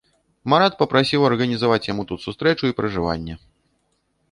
Марат папрасіў арганізаваць яму тут сустрэчу і пражыванне.